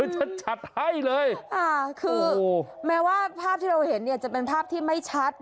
ชัดให้เลยค่ะคือแม้ว่าภาพที่เราเห็นเนี่ยจะเป็นภาพที่ไม่ชัด